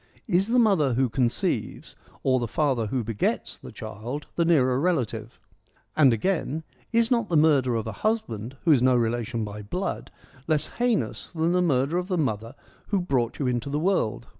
' Is the mother who conceives, or the father who begets the child, the nearer relative ?' And again, ' Is not the murder of a husband, who is no relation by blood, less heinous than the murder of the mother who brought you into the world